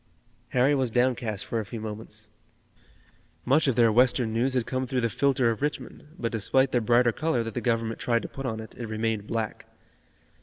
Harry was downcast for a few moments. Much of their Western news had come through the filter of Richmond, but despite the brighter color that the Government tried to put on it, it remained black.